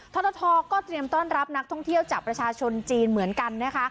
ทรทก็เตรียมต้อนรับนักท่องเที่ยวจากประชาชนจีนเหมือนกันนะคะ